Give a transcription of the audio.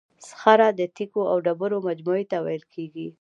صخره د تیکو او ډبرو مجموعې ته ویل کیږي.